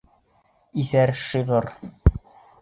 Иҫәр шиғыр!